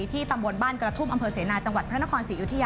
ที่ตำบลบ้านเกราะทุมอเสนาจังหวัดพระนคร